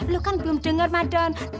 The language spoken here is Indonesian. lo kan belum denger madone